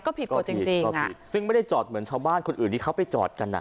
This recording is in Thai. ก็ผิดกฎจริงจริงอ่ะซึ่งไม่ได้จอดเหมือนชาวบ้านคนอื่นที่เขาไปจอดกันอ่ะ